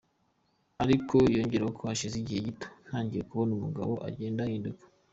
Ariko ngezeyo hashize igihe gito ntangira kubona umugabo agenda ahinduka.